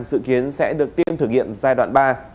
dự kiến sẽ được tiêm thử nghiệm giai đoạn ba